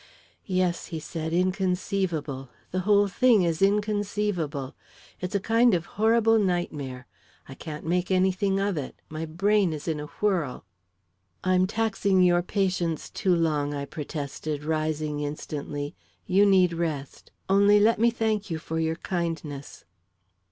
"Yes," he said, "inconceivable the whole thing is inconceivable. It's a kind of horrible nightmare. I can't make anything of it. My brain is in a whirl." "I'm taxing your patience too long," I protested, rising instantly. "You need rest. Only let me thank you for your kindness."